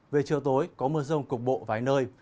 về chiều tối có mưa rông cục bộ vài nơi